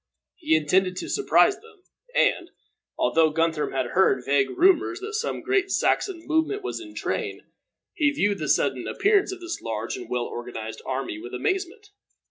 He intended to surprise them; and, although Guthrum had heard vague rumors that some great Saxon movement was in train, he viewed the sudden appearance of this large and well organized army with amazement.